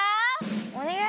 おねがい。